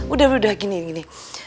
udah udah gini gini